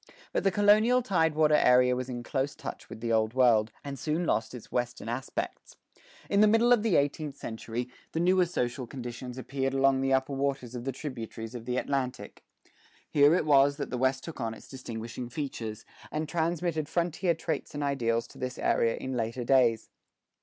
But the colonial tide water area was in close touch with the Old World, and soon lost its Western aspects. In the middle of the eighteenth century, the newer social conditions appeared along the upper waters of the tributaries of the Atlantic. Here it was that the West took on its distinguishing features, and transmitted frontier traits and ideals to this area in later days.